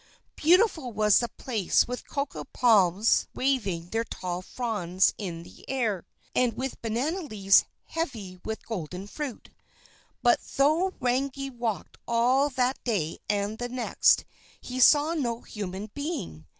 Beautiful was the place with cocoa palms waving their tall fronds in the air, and with banana trees heavy with golden fruit. But though Rangi walked all that day and the next, he saw no human being.